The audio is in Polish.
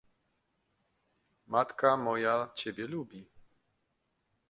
"Matka moja ciebie lubi!"